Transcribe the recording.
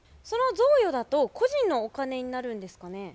その贈与だと個人のお金になるんですかね？